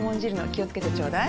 気を付けてちょうだい。